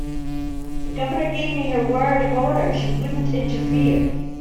The Governor gave me her word of honor she wouldn't interfere.